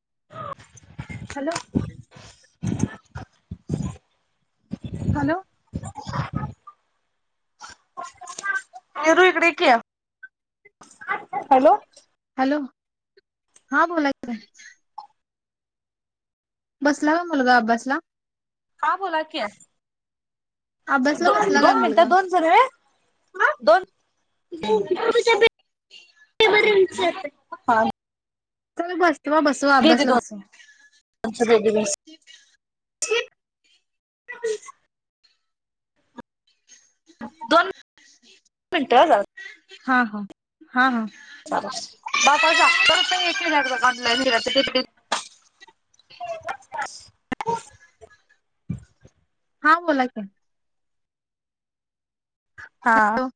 [inaudible] Hello hello पेरू इकडे ये की हॅलो हॅलो हा बोलायच बसला हा मुलगा अभ्यासला हा बोला कि अभ्यासला दोन बसला काय दोन मिनटात मुलगा दोन सर दोन [unintelligible] [unintelligible] [inaudible] [unintelligible] चल बस तेव्हा बसु घेते अभ्यासला बसा दोनशे बेबीज [inaudible] दोन मिनटं जरा हा हा हा हा बापातर रुप येत ऑनलाईन त [unintelligible] हा बोला की हा हॅलो.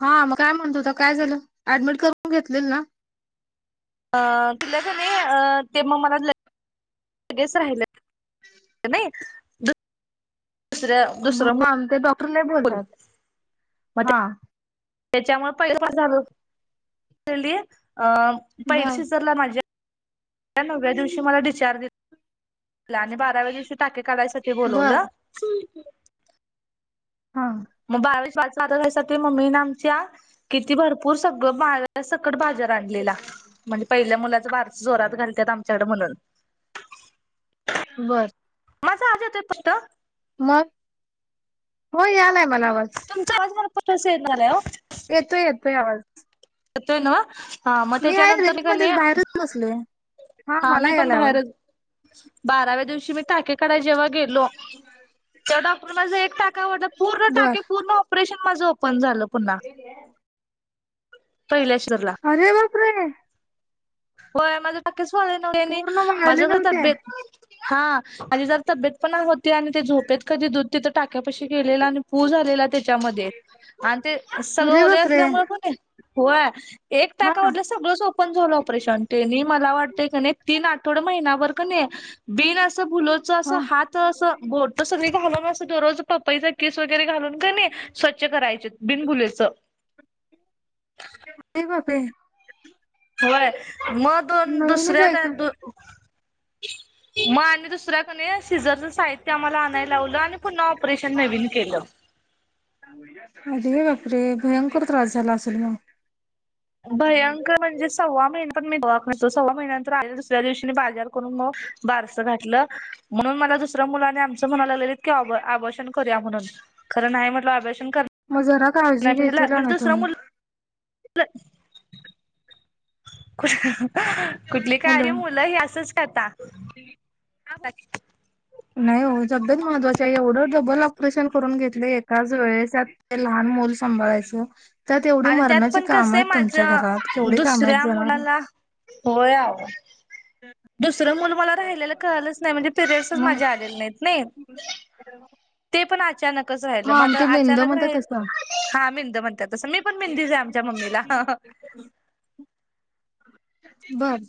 हा मग काय म्हणत होता काय झालं ऍडमिट करून घेतलेल ना अ तिला का नाही अ ते मग मला सगळेच राहिलें त नाही द व आमचे भाऊ डॉक्टर नाही बोलतात मग हा त्याच्यामुळे पैसा झाल कली [inaudible] अ पहेर बर शिसरला माझे नवव्या दिवशी मला डिस्चार्ज दि आणि बाराव्या दिवशी टाके काढायसाठी बोलवलं बर हा मग बारावी बाात घयसाठी मम्मीने आमच्या किती भरपूर सगळं बा त्या सकट बाजार आणलेला म्हणजे पहिल्या मुला बारस जोरात घालत्यात आमच्याकड म्हणून बर माझा आवाज येतोय फक्त मग हो यायला, मला आवाज. रो [unintelligible] येतोय येतोय आवाज मते नावा [unintelligible] मी आहे रेंज मध्येच बाहेरच बसले, हा मी मला पण यायला आवाज बाहेरच बाराव्या दिवशी मी टाके काढाय जेव्हा गेलो, त्या डॉ ाू परे बर [unintelligible] माझं ओपन झालं. पुन्हा. पहिल्या शिजरला. अरे बापरे.. होय माझं पूर्ण माझ वाळले नव्हते तबेत हा माझी जर तबेत पण होती आणि ते झोपेत कधी दध [unintelligible] तिथं टाक्यापाशी केलेला आणि पू झालेला त्या च्यामध्ये आणि ते सगळ अरे ओले बापरे असल्यामुळे पण होय. एक हा टाका उरला सगळं पण झाो [unintelligible] परेशन तेनी मला वाटतय का नाही तीन आठवड महिनाभर कनई- बिन असं फुलच अस, हा हात असं, बोट सगळी घालून असं दरोज पपईचा किस वगैरे घालून, कनई स्वच्छ करायचे बिनबुलेच. ते बापे [unintelligible] होय. म दोन नवीनच दुसऱ्या आहे द का? [unintelligible] मा्य त सुर [unintelligible] शिजरच साहित्य आम्हाला आणाय लावलं आणि पुन्हा ऑपरेशन नवीन केलं. अरे बापरे, भयंकर त्रास झाला असेल मग? भयंकर म्हणजे सव्वा महिने मी दवाखान्यात सव्वा महिन्यानंतर आणि दुसऱ्या दिवशी बाजार करून मग बारसं घातलं, म्हणून मला दुसऱ्या मुलाने आमचं म्हणालागल्यालीत, आवर्षन कर, ण खर नाही म्हट अभ्या [unintelligible] म जरा, काळजी घेती ना तुम्ही. ठ [unintelligible] कुठली काळजी मुलं ह असंच टाता हम् ह बकी नाही हो सगळ्याच महत्त्वाचे आहे एवढं डबल ऑपरेशन करून घेतले एकाच वेळेसत ते लहान मुलं सांभाळायचं त्यात तेवढी आणि त्यात मरणाचे पण काम कसं आहे आहेत तुमच्या माझ्या घरात केवढे काम आहेत जाणार हो दुसरं मुल मला राहिलेला कळलंच नाही म्हणजे पिरयडसच मग माझ्या आलेले नाहीत नाही ते पण अचानक म हा ते मेंद म्हणतात तसं अचा मिंद म्हणत तस मी पण मिंद च आहे आमच्या मम्मीला बर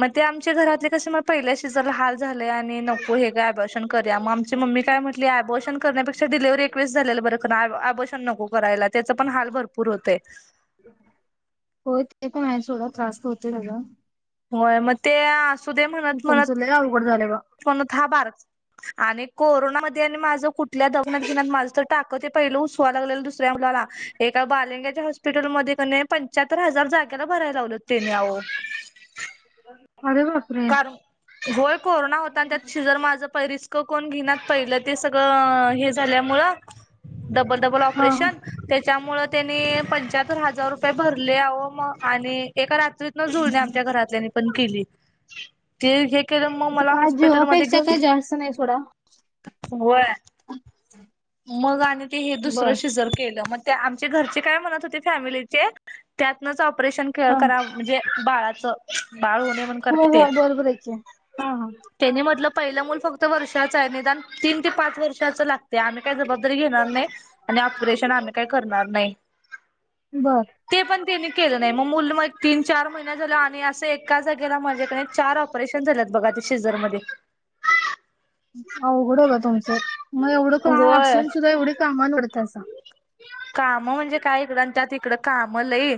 मग ते आमच्या घरातले तसे मग पहिल्या शिजरला हाल ल झाले आणि नको हे काय ओप्राशन न करू मग आमची मम्मी काय म्हटली बशन कर डिलेवरी एकवीस झाले बर ओप्राशन नको करायला त्याचा पण हाल भरपूर होते होय ते पण आहे सोडा त्रास होते ना का होय मग ते त तुमच लय अवघड झालंय ब म्हण हा बार आणि कोरोनामध्ये आणि माझ कुठल्या दगणत घेण्यात माझ तर टाक ते पहिलं उसवा लागलेलं दुसऱ्या मुलाला एका बालिंग्याच्या हॉस्पिटलमध्येध्ये क पंच्याहत्तर हजार जागेला भरायला लावलं त्यांनी आ अरे बापरे कार होय कोरोना होता आणि त्यात शीजर माझ परिस्कोप घे पहि ते सगळ झाल्यामूळ डबल डबल हा ओप्राशन त्यामुळे त्याने पंचायत तर हजार रुपये भरले आहे मग आणि एका रात्रीत न जुळणे आमच्या घरातल्याने पण केली ते हे केलं मग थ मला काजू हॉस्पिटलमध्ये अपेक्षा घेऊन का जास्त नाही थोडा होय मग आणि ते हे दुसरं श जर केलं मग आमचे घरचे काय म्हणत होते फॅमिलीचे त्यातन ऑपरेशन हा करा म्हणजे बाळाचं बाळ होऊ नए म्हणून होय करते ते होय बरोबर आहे की. हा हा. तेनी म्हटलं पहिलं मूल फक्त वर्षाच आहे निदान तीन ते पाच वर्षाच लागत ते आम्ही काही जबाबदारी घेणार नाही आणि ऑपरेशन आम्ही काय करणार नाही बर तेनी केलं नाही मग मुल मग तीन चार महिन्याच झाल्यावर आम्ही असे एका जागेला माझ्याकनाही चार ऑपरेशन झालयात बघा ते शेजरमध्ये अवघड ए बा तुमच मला एवढं का होय असून सुद्धा एवढे कामाडत त्याचा काम म्हणजे काय इकडन त्यात इकडं काम लय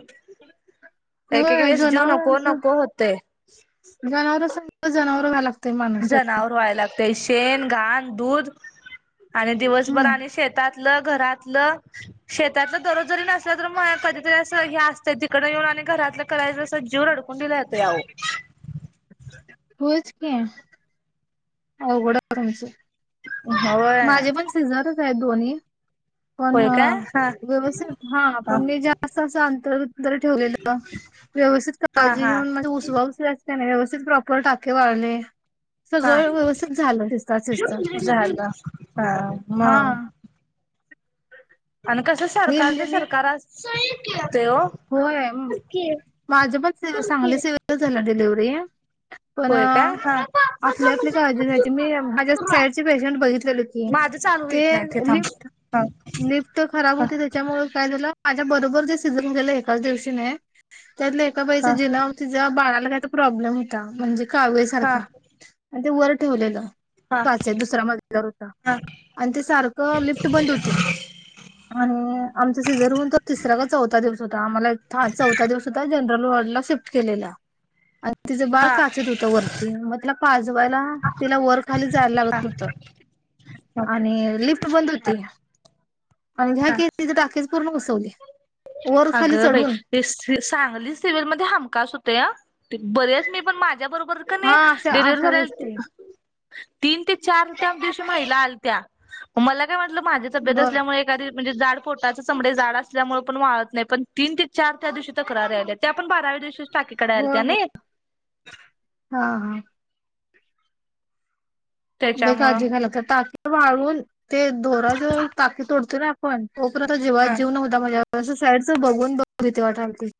एक एक होय वेळेस जिऊ नको जनावरांचं नको होतय जनावर जनावर हला जनावर व्हायला ते शेण घाण दूध आणि दिवसभर हम्म आणि शेतातलं घरात त शेतातल दररोज जरी नसला तर मग कधीतरी अस हे असतं तिकड येऊन आणि घरातलं करायचं त जीव रडकुंडीला येतो अहो होच की अवघड हो तुमच अहो होय माझे पण सिझर च दधोनी पण होय हा काय हा व्यवस्थित हा पण मी जास्त अस अंतर तर ठेवलेलं व्यवस्थित हा काळजी हा घेऊन माझ उसवा उसवी अस त्याने व्यवस्थित प्रॉपर टाके वाळले हा सगळं व्यवस्थित झालं शिस्तात शिस्तात झालं हा म हा आणि कस मी म्हणजे सरकारच मी सरकार असं ह होय माझ पण सागली सिव्हिल ला झाल्या डिलिव्हीरी पण होय काय हा आपली आपली काळजी घ्यायची मी माझ्या साईटची पेशंट बघितली की माझं चालू ते होईत नाही थांब लिफ्ट हा. लिफ्ट खराब हा होते त्याच्यामुळे काय झालं माझ्या बरोबर जे ते गेला एकाच दिवशी नाही त्यातलं एका बाईच हा जिन्यावरती जरा बाळाला म्हणे आता प्रॉब्लेम आहे का? म्हणजे कावल्या हा सारखा आणि ते वर ठेवलेलं हा पाच आहे दुसरा मजला होता. हा आणि ते सारखं लिफ्ट बंद होतहोती आणि आमचा सीझर होऊन तर तिसरा का चौथ दिवस होता आम्हाला चौथ दिवसधा जनरल वर्ल्डला शिफ्ट केलेला तिचं बाळ हा काचत होतं वरती मग तिला पाजवायला तिला वर खाली जायला हा हा लागत होत आणि लिफ्ट बंद होती आणि हा ह्यायं टकेज पूर्ण बस तले [inaudible] अगं बाई, सांगली सिव्हल मध्ये हमखास होत या बरीस मी पण माझ त्याबरोबर का हा नाही अशा डिलव्हरी अशा गोष्टी झालेल तीन ते चार त्या दिवशी महिला आलत्या मला काय वाटलं म्हंटल माझी तब्येत बर असल्यामुळे एखादी म्हणजे जाड पोटाचं चमडे जाड असते त्या मुळे पण वाळत नाही पण तीन ते चार त्या दिवशी तक्रारारी आल्या आपण बाराव्या दिवशी टाकीे कढायला होय तआलत्या होय नाही हा हा बे का त्याच्यामुळं अजी काय लागता ताकी वाळून ते दोरा ज टाके तोडतो ना कोण? हो पण जीवात हा जीव नव्हता माझ्या असं साईडचं बघून बघिती वाटाल ते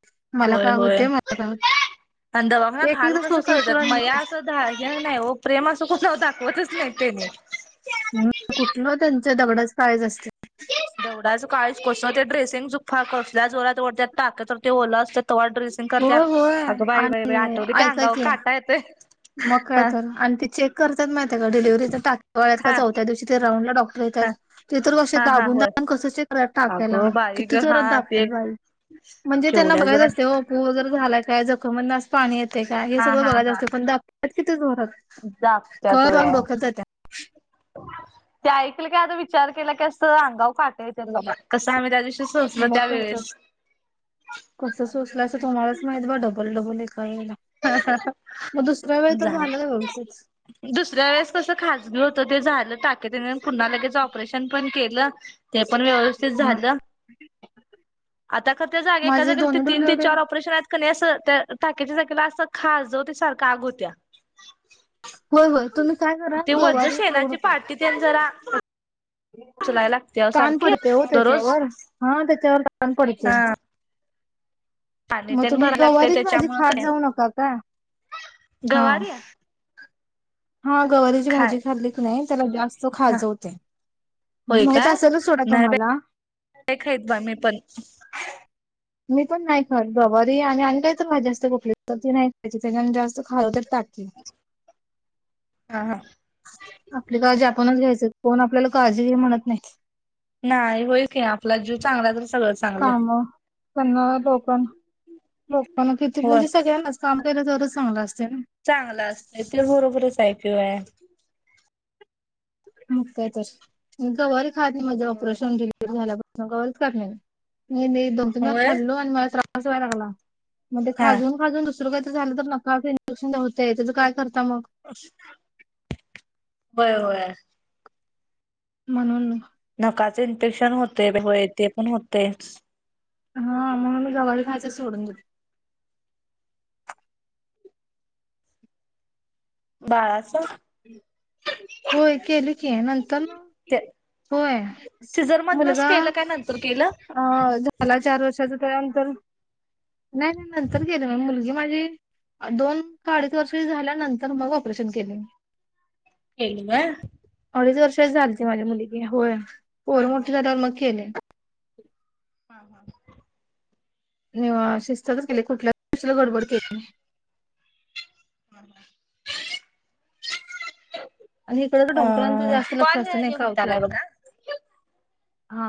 होय होय आणि होतंय दवाखान्यात एक हाल एकदा कसं सोसस कळतात करून मया असं द नाही प्रेम असं कुठ होता होतच नाहीतेनी कुठलं त्यांच्या दगडाच काळज असते दगडाचं काळीज कस ते ड्रेसिंग तर कसलं चु फा कसल्या जोरात ओढतात टाक तर ते ओल असतात. तेव्हा ड्रेसिंग होय करतात, होय अगं बाई -बाई -बाई आणि अठवल की ऐका अंगावर काटा येत मग काय तर आणि ते चेक करतात माहिित का डिलिव्हचा टाकेत का हा चौथ्या दिवशीतर राऊन्ड ला डॉक्टर हा ती तर अशी हा हा दाबून होय दाबून कस क्षेत्र टाकायला अगं बाई किती ग हा जोरात ते दाबतात बाई म्हणजे त्यांना केवढ्या बघायच जरा असतय ओ झाला काय जखमधन पाणी येत ते काय हे हा सगळ हा बघायच हा असत पण ते अच्छा [unintelligible] ते जोरात आहे दाबत्यात कळ होय लावून डोक्यात जातीया. ते ऐकल की आता विचार केला की असं अंगाव काट येतात बघ कसं आहे माहिती आहे मग काय तर कस सोचलं असं तुम्हालाच माहित बा डबल डबल एक वेळी तर झाल झालं व्यवस्थित. दुसऱ्या वेळेस कस खाजगी होतं ते झालं टाक. त तिनं पुन्हा लगेच ऑपरेशन पण केलं. ते पण व्यवस्थित हा झालं, आता खर त्या जागी एका माझे जागेला ते दोन्ही तीन ते डिलिव्हरी चार ऑपरेशन आहेत. ते कणी असं त्या टाक्याच्या जागी तेला अस खाजवतोय त्या सारख आग होतिया. होय होय, तुम्ही काय करा गवारी खाऊ शेणाची नका पाटी तेन जरा उचलायला लागते कान सारखी पडते हो दररोज त्याच्यावर हा त्याच्यावर पण पडीच हा पाणी मग तेन तुम्ही भरायला लागतंय गवारीच माझी त्याच्यामुळं खात काय जाऊ नका काय हा. गवारी हा गवारीची खाय भाजी खाल्ली क नाही त्याला जास्त खाजवते होय म्हणजे माहीत काय असेलच सोडा नाही तुम्हाला. काय खाईत बा मी पण मी पण नाही खात गवारी. ते आणि काय तर भाजी असतीया भोपळीची. तर ते नाही जास्त खाल्ल तर. हा हा आपली काळजी आपणच घ्यायची. कोण आपल्याला काळजी घे म्हणत नाही नाही होय की आपला जीव चांगला तर सगळं चांगलं काम पण लोकाना हो पण तीथे म्हणजे सगळ्यांनाच काम केलं तरच चांगला असत चांगलं असतय ते बरोबरच आहे ते होय मग काय आजून गवारी खाकी माझं होय ऑपरेशन डिलिव्हरी झाल्यावर गवारीच का घ्याय नाही नाही नाही दो तीन म होय खाल्लो आणि मला कसंवाय लागला हा मणेाजून खाजून झालं तर नकां इंजेक्शन होतय त्या कायत बर बर ह म्हणून नकाचे इन्फेक्शन होते हो ते पण होते हा मणून मी जवारी खायच सोडून देतो बाळा होय केली की नंतर ते होय सिझर मधनच मुलगा केलं काय नंतर केलं अ झाला चार वर्षाचा त्या नाही नाही नंतर गेले म मुलगी माझी दोन अडीच वर्ष झाल्यानंतर मग ऑपरेशन केले म केलंग अडीच वर्षच झालीती माझी मुलगी होय हा पर मोठ झाातवर मग केले ह हा हा नाहीव शिस्तातच केली कुठल्या गोष्टीला गडबड केली नाही ह आणि इकडं तर डॉक्टरांचं जास्त लक्ष असत नाही घेऊन येतालाय कावत्यात बघा हा